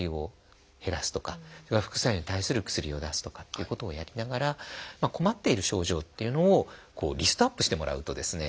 それから副作用に対する薬を出すとかっていうことをやりながら困っている症状っていうのをリストアップしてもらうとですね